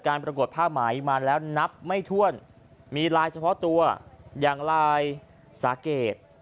ปรากฏผ้าไหมมาแล้วนับไม่ถ้วนมีลายเฉพาะตัวอย่างลายสาเกต